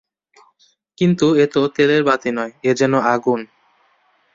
কিন্তু, এ তো তেলের বাতি নয়, এ যে আগুন!